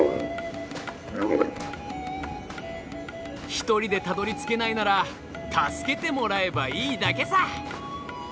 一人でたどりつけないなら助けてもらえばいいだけさ！